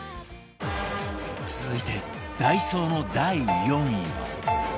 続いてダイソーの第４位は